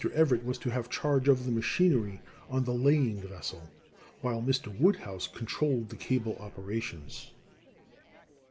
Everett was to have charge of the machinery on the laying vessel, while Mr. Woodhouse controlled the cable operations.